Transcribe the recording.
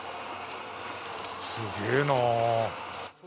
すげえな。